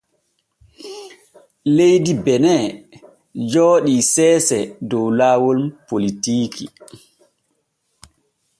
Leydi Benin jooɗi seese dow laawol politiiki.